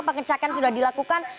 apakah pengecakan sudah dilakukan